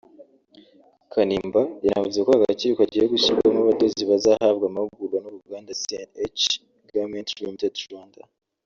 Kanimba yanavuze ko aka gakiriro kagiye gushyirwamo abadozi bazahabwa amahugurwa n’uruganda C&H Garments Ltd Rwanda